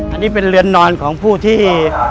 อันนี้เป็นเรือนนอนของผู้ที่